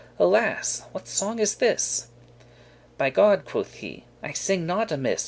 alas! what song is this?" "By God," quoth he, "I singe not amiss.